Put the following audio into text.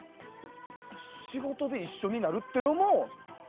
仕事で一緒になるってのも。